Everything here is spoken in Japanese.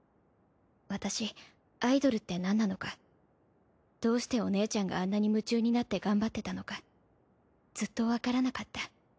私アイドルって何なのかどうしてお姉ちゃんがあんなに夢中になって頑張ってたのかずっとわからなかった。